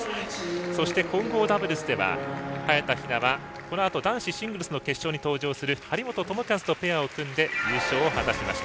そして、混合ダブルスでは早田ひなは、このあと男子シングルスの決勝に登場する張本智和とペアを組んで優勝を果たしました。